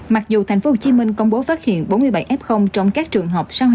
mặc dù tp hcm công bố phát hiện bốn mươi bảy f trong các trường học